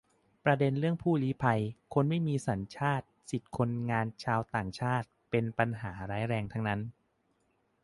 ประเด็นเรื่องผู้ลี้ภัย คนไม่มีสัญชาติ สิทธิคนงานชาวต่างชาติ เป็นปัญหาร้ายแรงทั้งนั้น